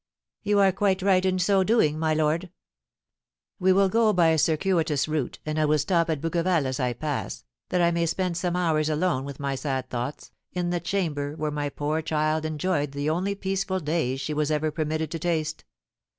"You are quite right in so doing, my lord." "We will go by a circuitous route, and I will stop at Bouqueval as I pass, that I may spend some few hours alone with my sad thoughts, in the chamber where my poor child enjoyed the only peaceful days she was ever permitted to taste.